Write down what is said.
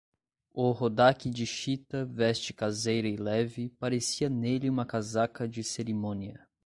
O rodaque de chita, veste caseira e leve, parecia nele uma casaca de cerimônia.